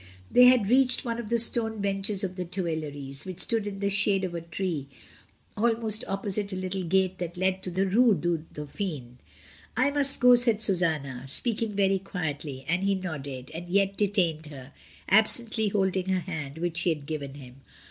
They had reached one of the stone benches of the Tuileries, which stood in the shade of a tree, almost opposite a little gate that led to the Rue du Dauphin. "I must go," said Susanna, speaking very quietly; and he nodded, and yet detained her, absently hold ing her hand, which she had given him.